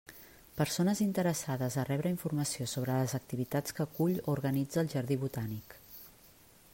Persones interessades a rebre informació sobre les activitats que acull o organitza el Jardí Botànic.